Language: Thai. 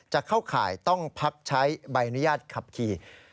จะเข้าข่ายต้องพักใช้ใบอนุญาตขับขี่